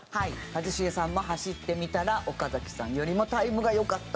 一茂さんも走ってみたら岡崎さんよりもタイムが良かった。